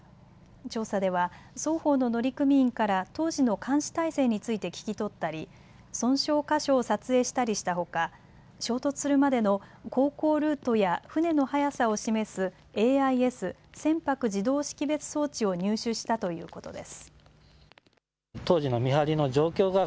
調査では双方の乗組員から当時の監視態勢について聞き取ったり、損傷箇所を撮影したりしたほか衝突するまでの航行ルートや船の速さを示すＡＩＳ・船舶自動識別装置を入手したということです。